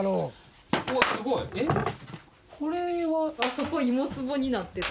そこ芋つぼになってて。